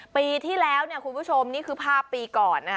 ปีที่แล้วคุณผู้ชมนี่คือภาพปีก่อน